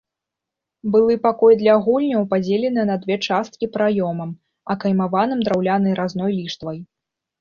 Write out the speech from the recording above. Былы пакой для гульняў падзелены на две часткі праёмам, акаймаваным драўлянай разной ліштвай.